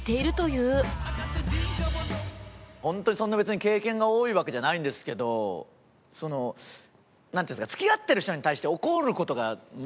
本当にそんな別に経験が多いわけじゃないんですけどそのなんていうんですか付き合ってる人に対して怒る事が全くないんですよ。